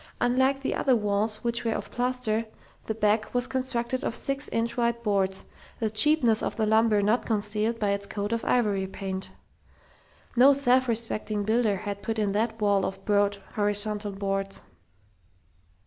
Unlike the other walls, which were of plaster, the back was constructed of six inch wide boards the cheapness of the lumber not concealed by its coat of ivory paint. No self respecting builder had put in that wall of broad, horizontal boards....